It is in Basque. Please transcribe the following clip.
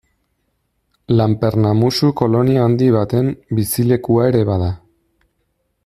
Lanperna-musu kolonia handi baten bizilekua ere bada.